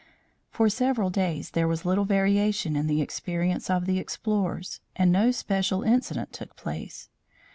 For several days there was little variation in the experience of the explorers, and no special incident took place.